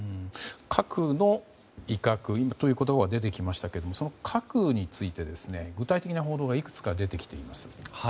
核の威嚇という言葉が出てきましたけれどもその核について、具体的な報道がいくつか出てきています。